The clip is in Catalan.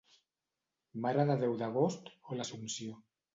Mare de Déu d'Agost o l'Assumpció.